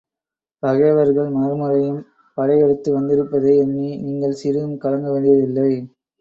பகைவர்கள் மறுமுறையும் படையெடுத்து வந்திருப்பதை எண்ணி நீங்கள் சிறிதும் கலங்க வேண்டியதில்லை.